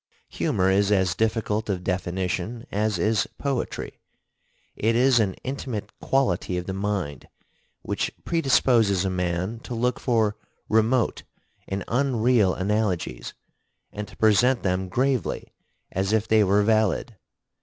Humor is as difficult of definition as is poetry. It is an intimate quality of the mind, which predisposes a man to look for remote and unreal analogies and to present them gravely as if they were valid.